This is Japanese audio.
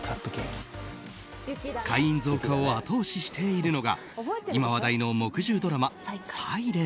会員増加を後押ししているのが今話題の木１０ドラマ「ｓｉｌｅｎｔ」。